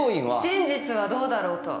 真実はどうだろうと